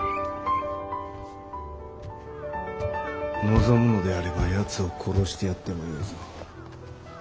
望むのであればやつを殺してやってもよいぞ。